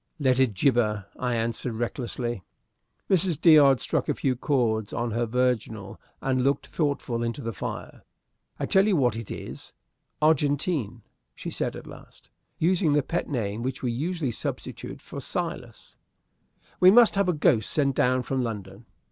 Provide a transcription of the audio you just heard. "Let it gibber!" I answered, recklessly. Mrs. D'Odd struck a few chords on her virginal and looked thoughtfully into the fire. "I tell you what it is, Argentine," she said at last, using the pet name which we usually substitute for Silas, "we must have a ghost sent down from London."